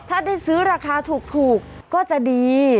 ถ้าได้ซื้อราคาถูกก็จะดี